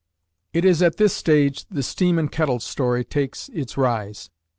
It is at this stage the steam and kettle story takes its rise.